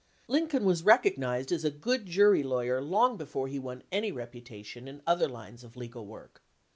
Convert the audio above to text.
Lincoln was recognized as a good jury lawyer long before he won any reputation in other lines of legal work.